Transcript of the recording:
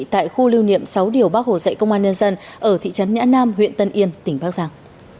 tại khu lưu niệm sáu điều bác hồ dạy công an nhân dân ở thị trấn nhã nam huyện tân yên tỉnh bắc giang